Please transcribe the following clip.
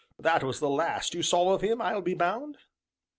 That was the last you saw of him, I'll be bound."